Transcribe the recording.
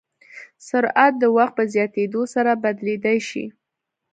سرعت د وخت په زیاتېدو سره بدلېدای شي.